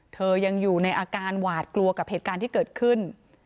ยังอยู่ในอาการหวาดกลัวกับเหตุการณ์ที่เกิดขึ้น